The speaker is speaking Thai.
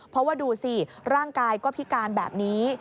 เพราะว่าดูสิร่างกายก็พิการแบบนี้